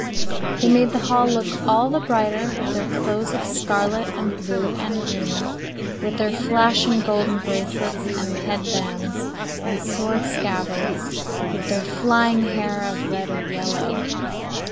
They made the hall look all the brighter with their clothes of scarlet and blue and green, with their flashing golden bracelets and head bands and sword scabbards, with their flying hair of red or yellow.